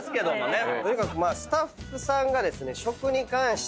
とにかくスタッフさんがですね食に関して。